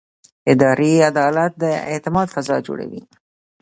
اداري عدالت د اعتماد فضا جوړوي.